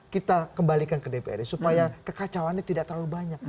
kita kembalikan ke dprd supaya kekacauannya tidak terlalu banyak